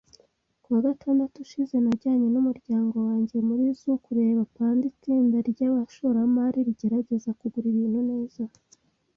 Ku wa gatandatu ushize, najyanye n'umuryango wanjye muri zoo kureba panda. Itsinda ryabashoramari riragerageza kugura ibintu neza.